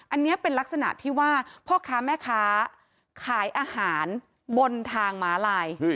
อันนี้เป็นลักษณะที่ว่าพ่อค้าแม่ค้าขายอาหารบนทางม้าลาย